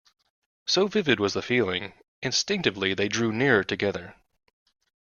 So vivid was the feeling, instinctively they drew nearer together.